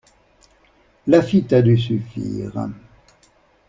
Laffitte a dû suffire.